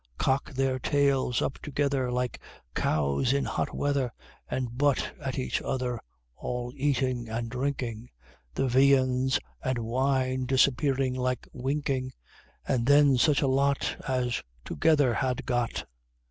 Cock their tails up together, Like cows in hot weather, And butt at each other, all eating and drinking, The viands and wine disappearing like winking, And then such a lot As together had got!